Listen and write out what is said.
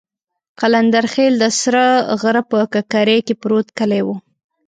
قلندرخېل د سره غره په ککرۍ کې پروت کلی وو.